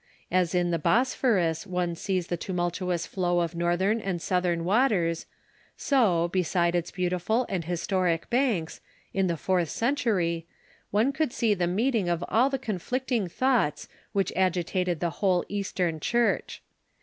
As in the Bosphorus one sees the tu multuous flow of northern and southern waters, so, beside its beautiful and historic banks, in the fourth century, one could see the meeting of all the conflicting thoughts which agitated the whole Eastern Church.